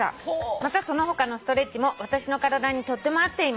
「またその他のストレッチも私の体にとっても合っています」